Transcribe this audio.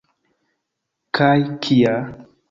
Kaj kia!